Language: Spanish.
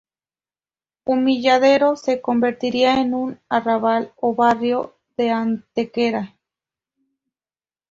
Humilladero se convertiría en un Arrabal o Barrio de Antequera.